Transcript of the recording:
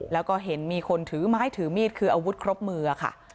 แล้วก็เห็นมีคนถือไม้ถือมีดคืออาวุธครบมือค่ะ